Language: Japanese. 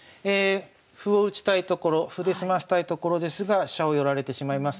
歩を打ちたいところ歩で済ませたいところですが飛車を寄られてしまいます。